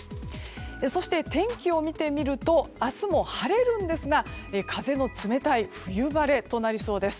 そして、天気を見てみると明日も晴れるんですが風の冷たい冬晴れとなりそうです。